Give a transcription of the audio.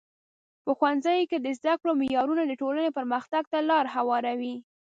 په ښوونځیو کې د زده کړو معیارونه د ټولنې پرمختګ ته لار هواروي.